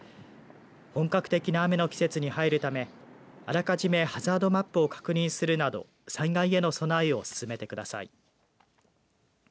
本格的な雨の季節に入るためあらかじめハザードマップを確認するなど災害への備えを進めてください。